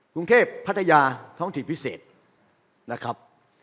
กรุงเทพพัทยาท้องถิ่นพิเศษนะครับ